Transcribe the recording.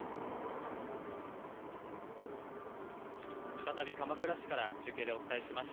再び鎌倉市から中継でお伝えします。